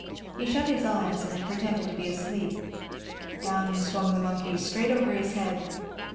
He shut his eyes and pretended to be asleep. Down swung the monkeys, straight over his head.